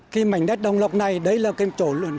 khi mảnh đất đồng lộc này đấy là cái chỗ lượng